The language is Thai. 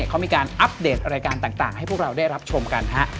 เขามีการอัปเดตรายการต่างให้พวกเราได้รับชมกันฮะ